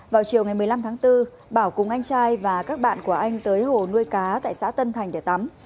vào chiều ngày một mươi năm tháng bốn bảo cùng anh trai và các bạn của anh tới hồ nuôi cá tại xã tân thành để tắm